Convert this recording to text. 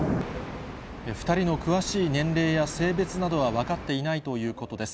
２人の詳しい年齢や性別などは分かっていないということです。